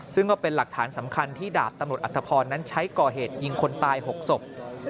ซึ่งก็เป็นหลักฐานสำคัญที่ดาบตำรวจอัธพรนั้นใช้ก่อเหตุยิงคนตาย๖ศพ